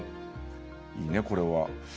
いいねこれは。